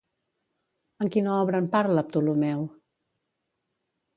En quina obra en parla Ptolomeu?